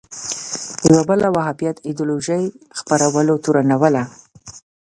یوه بله وهابیت ایدیالوژۍ خپرولو تورنوله